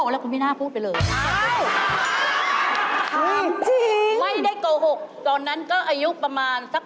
แล้วมันไปนอนกันอยู่อยู่อย่างไร